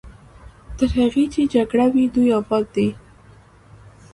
تر هغې چې جګړه وي دوی اباد دي.